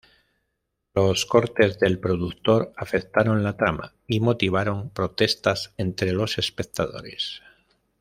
Los cortes del productor afectaron la trama y motivaron protestas entre los espectadores.